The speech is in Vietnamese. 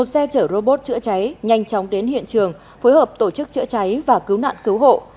một xe chở robot chữa cháy nhanh chóng đến hiện trường phối hợp tổ chức chữa cháy và cứu nạn cứu hộ